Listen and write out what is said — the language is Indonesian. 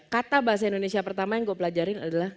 kata bahasa indonesia pertama yang gue pelajarin adalah